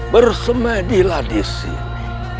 bersemedilah di sini